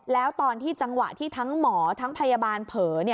แล้วตอนที่จังหวะที่ทั้งหมอทั้งพยาบาลเผลอ